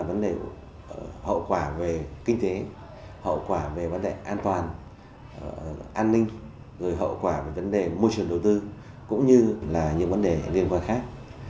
vấn đề hậu quả về kinh tế hậu quả về vấn đề an toàn an ninh rồi hậu quả về vấn đề môi trường đầu tư cũng như là những vấn đề liên quan khác